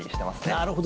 なるほど。